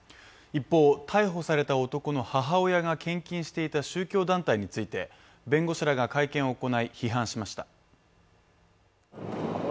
一方、逮捕された男の母親が献金していた宗教団体について弁護士らが会見を行い、批判しました。